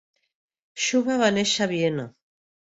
Schuba va néixer a Viena.